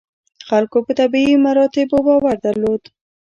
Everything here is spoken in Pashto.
خلکو په طبیعي مراتبو باور درلود.